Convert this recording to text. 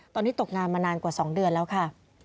ตอนนี้ตกงานมานานกว่า๒เดือนแล้วค่ะ